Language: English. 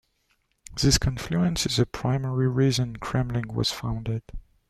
This confluence is the primary reason Kremmling was founded.